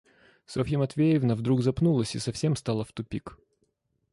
Софья Матвеевна вдруг запнулась и совсем стала в тупик.